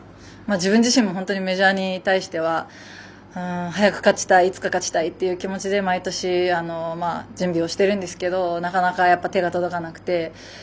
自分自身も本当にメジャーに対しては早く勝ちたいいつか勝ちたいという気持ちで毎年、準備をしてるんですけどなかなか手が届かなくて。